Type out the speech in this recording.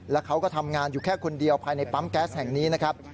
แล้วเขาก็ทำงานอยู่แค่คนเดียวภายในปั๊มแก๊สแห่งนี้นะครับ